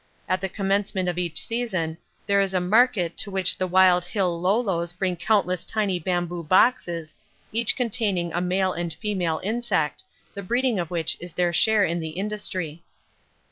At the commencement of each season there is a market to which the wild hill Lolos bring countless tiny bamboo boxes, each containing a male and female insect, the breeding of which is their share in the industry.